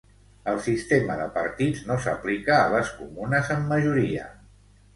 El sistema de partits no s'aplica a les comunes amb majoria.